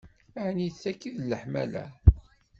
Ɛni d taki i d leḥmala?